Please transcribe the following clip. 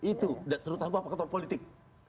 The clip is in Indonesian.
itu terutama faktor politik